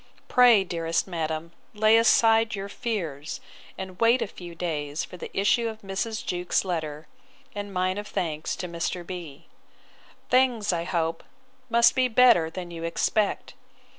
Pray, dearest madam, lay aside your fears, and wait a few days for the issue of Mrs. Jewkes's letter, and mine of thanks to Mr. B——. Things, I hope, must be better than you expect.